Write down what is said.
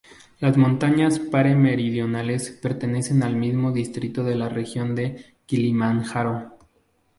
Las montañas Pare Meridionales pertenecen al mismo distrito de la región de Kilimanjaro.